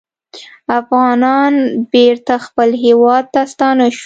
افغانان بېرته خپل هیواد ته ستانه شوي